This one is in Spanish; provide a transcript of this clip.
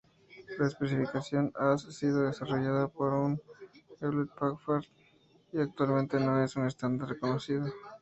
La especificación has sido desarrollada por Hewlett-Packard y actualmente no es un estándar reconocido.